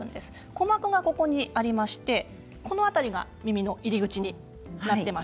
鼓膜がここにありましてこの辺りが耳の入り口になってます。